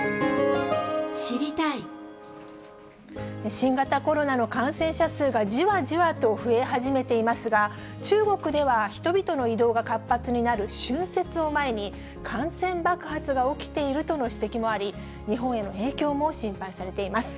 新型コロナの感染者数がじわじわと増え始めていますが、中国では人々の移動が活発になる春節を前に、感染爆発が起きているとの指摘もあり、日本への影響も心配されています。